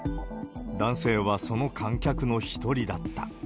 男性はその観客の一人だった。